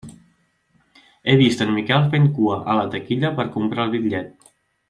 He vist en Miquel fent cua a la taquilla per comprar el bitllet.